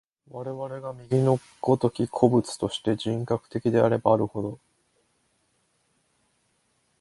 我々が右の如き個物として、人格的であればあるほど、